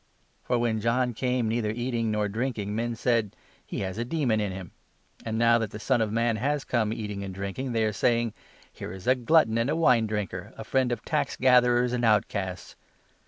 ' For, when John came, neither eating nor drinking, men said 18 ' He has a demon in him '; and now that the Son of Man has 19 come, eating and drinking, they are saying ' Here is a glutton and a wine drinker, a friend of tax gatherers and outcasts